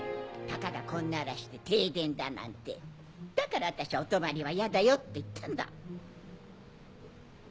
たかがこんな嵐で停電だなんてだから私はお泊まりはイヤだよって言ったんだ。